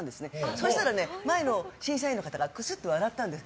そうしたら、前の審査員の方がくすっと笑ったんです。